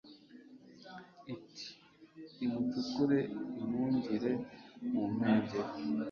Iti « nimukuce impungire mu mpengeri,